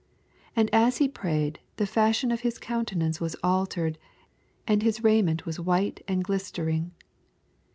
29 Aiid as be prayed, tbe fashion of his countenance was altered, and his raiment voas white and fflistenng.